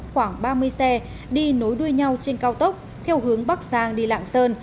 khoảng ba mươi xe đi nối đuôi nhau trên cao tốc theo hướng bắc giang đi lạng sơn